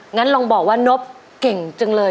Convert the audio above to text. งั้นลองบอกว่านบเก่งจังเลย